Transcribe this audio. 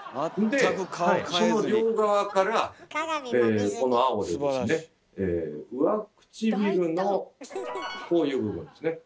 その両側からこの青でですね上唇のこういう部分ですね。